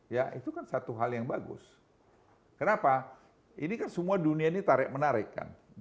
ya itu kan satu hal yang bagus kenapa ini kan semua dunia ini tarik menarik kan